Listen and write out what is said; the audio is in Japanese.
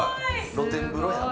露天風呂や。